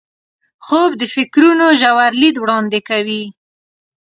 خوب د فکرونو ژور لید وړاندې کوي